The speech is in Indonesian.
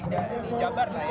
di jabar lah ya